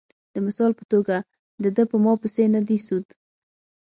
د مثال پۀ توګه د دۀ پۀ ما پېسې نۀ دي سود ،